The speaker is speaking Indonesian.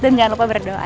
dan jangan lupa berdoa ya